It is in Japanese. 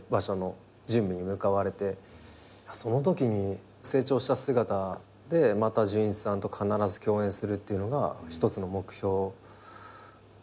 そのときに成長した姿でまた准一さんと必ず共演するってのが一つの目標になった瞬間だったし。